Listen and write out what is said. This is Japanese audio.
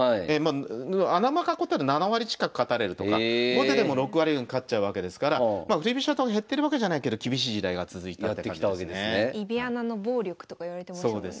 穴熊囲ったら７割近く勝たれるとか後手でも６割が勝っちゃうわけですから振り飛車党減ってるわけじゃないけど厳しい時代が続いたって感じですね。とかいわれてましたよね。